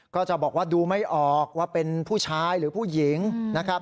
ก็จะบอกว่าดูไม่ออกว่าเป็นผู้ชายหรือผู้หญิงนะครับ